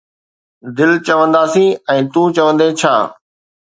دل چونداسين، ۽ تون چوندين ڇا